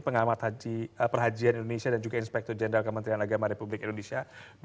pengamat perhajian indonesia dan juga inspektur jenderal kementerian agama republik indonesia